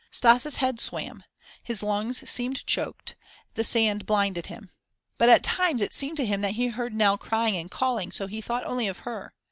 Stas' head swam, his lungs seemed choked, and the sand blinded him. But at times it seemed to him that he heard Nell crying and calling; so he thought only of her.